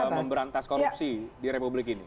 untuk bisa memberantas korupsi di republik ini